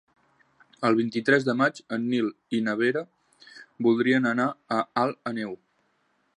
El vint-i-tres de maig en Nil i na Vera voldrien anar a Alt Àneu.